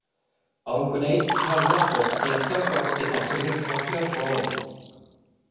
Ond gwneud cawlach wrth beidio gwasgu botwm recordio'r ffôn.